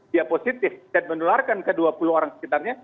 dia positif dan menularkan ke dua puluh orang sekitarnya